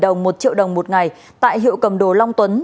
đồng một triệu đồng một ngày tại hiệu cầm đồ long tuấn